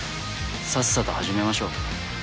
さっさと始めましょう。